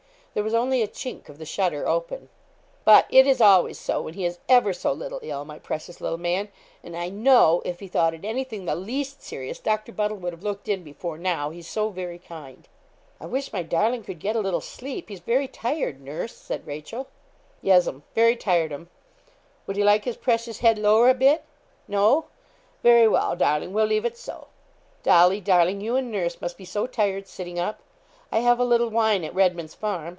There was only a chink of the shutter open. 'But it is always so when he is ever so little ill, my precious little man; and I know if he thought it anything the least serious, Doctor Buddle would have looked in before now, he's so very kind.' 'I wish my darling could get a little sleep. He's very tired, nurse,' said Rachel. 'Yes'm, very tired'm; would he like his precious head lower a bit? No; very well, darling, we'll leave it so.' 'Dolly, darling, you and nurse must be so tired sitting up. I have a little wine at Redman's Farm.